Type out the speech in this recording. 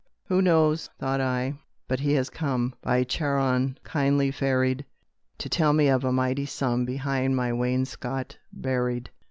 Who knows, thought I, but he has come, By Charon kindly ferried, To tell me of a mighty sum Behind my wainscot buried?